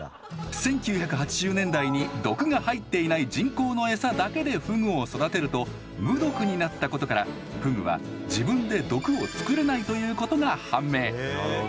１９８０年代に毒が入っていない人工のだけでフグを育てると無毒になったことからフグは自分で毒を作れないということが判明。